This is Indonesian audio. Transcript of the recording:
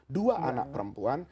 dua anak perempuan